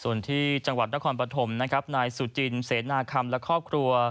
ส่วนที่จังหวัดนครปฐมนะครับนายสุจินเสนาคำและครอบครัว